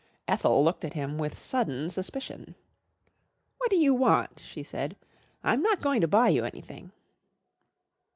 Ethel looked at him with sudden suspicion. "What do you want?" she said. "I'm not going to buy you anything."